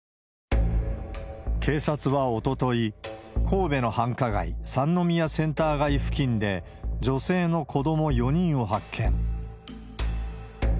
警察はおととい、神戸の繁華街、三宮センター街付近で、女性の子ども４人を発見。